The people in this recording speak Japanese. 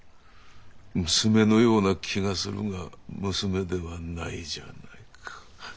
娘のような気がするが娘ではないじゃないか。